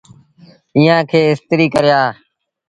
ايٚئآن کي استريٚ ڪري آ۔